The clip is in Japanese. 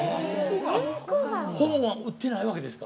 本は売ってないわけですか。